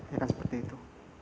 ya kan seperti itu